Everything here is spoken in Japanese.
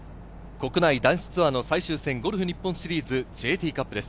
国内男子ツアーの最終戦、ゴルフ日本シリーズＪＴカップです。